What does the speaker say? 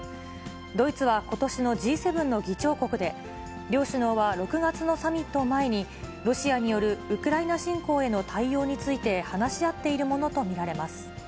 ドイツはことしのＧ７の議長国で、両首脳は６月のサミットを前に、ロシアによるウクライナ侵攻への対応について、話し合っているものと見られます。